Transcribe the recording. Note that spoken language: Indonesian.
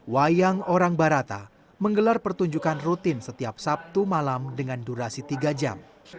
wayang orang barata menggelar pertunjukan rutin setiap sabtu malam dengan durasi tiga jam